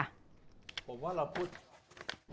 สหรับเราคุยกัน